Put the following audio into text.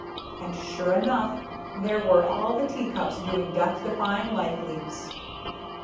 And sure enough, there were all the tea cups doing Death defying life leaps.